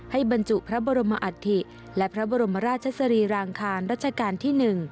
บรรจุพระบรมอัฐิและพระบรมราชสรีรางคารรัชกาลที่๑